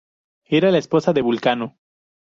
Era la esposa de Vulcano.